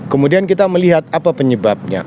kemudian kita melihat apa penyebabnya